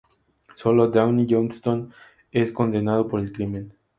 Sólo Dwayne Johnston es condenado por el crimen.